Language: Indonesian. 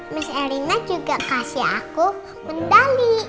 mas elina juga kasih aku mendali